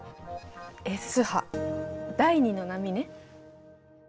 Ｓ波第２の波ね。